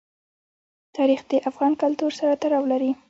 تاریخ د افغان کلتور سره تړاو لري.